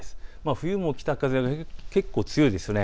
冬も北風が結構、強いですよね。